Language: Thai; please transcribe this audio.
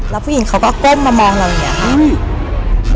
แล้วผู้หญิงเขาก็ก้มมามองเราอย่างนี้